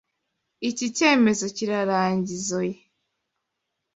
Iki cyemezo kirarangizoe.